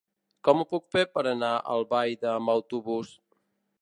Com ho puc fer per anar a Albaida amb autobús?